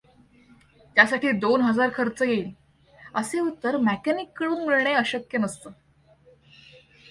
त्यासाठी दोन हजार खर्च येईल',असे उत्तर मेकॅनिक कडून मिळणे अशक्य नसतंं.